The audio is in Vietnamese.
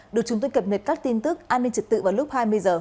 được chúng tôi cập nhật các tin tức an ninh trật tự vào lúc hai mươi h